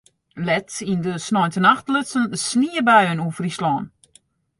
Let yn de sneintenacht lutsen sniebuien oer Fryslân.